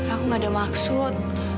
aku gak ada maksud